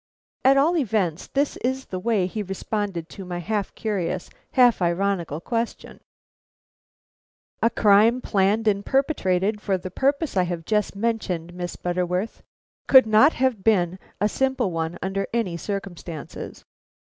At all events, this is the way he responded to my half curious, half ironical question: "A crime planned and perpetrated for the purpose I have just mentioned, Miss Butterworth, could not have been a simple one under any circumstances.